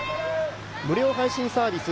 無料配信サービス